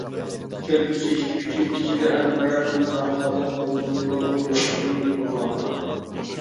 كەلگۈسى ئىككى ئۈچ يىل ئىچىدە ئەنقەرە بۇ ساھەدە ھالقىلىق رول ئويناشنى ئۈمىد قىلماقتا .